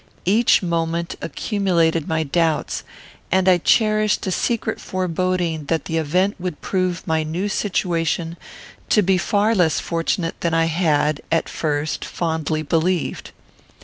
Each moment accumulated my doubts, and I cherished a secret foreboding that the event would prove my new situation to be far less fortunate than I had, at first, fondly believed.